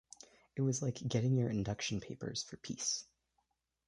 It was like getting your induction papers for peace!